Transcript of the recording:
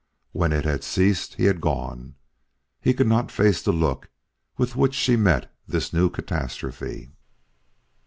When it had ceased, he had gone. He could not face the look with which she met this new catastrophe.